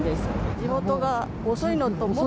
地元が遅いのと。